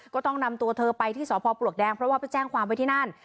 ก็ต้องนำตัวเธอไปที่สพปลวกแดงเพราะว่าไปแจ้งความไว้ที่นั่น